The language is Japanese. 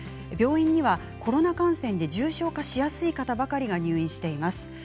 病院にはコロナ感染で重症化しやすい方ばかり入院しています。